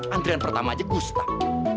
antrian pertama aja gustaf